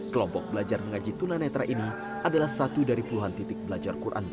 kelompok belajar mengaji tunanetra ini adalah satu dari puluhan titik belajar